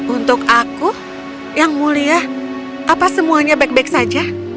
untuk aku yang mulia apa semuanya baik baik saja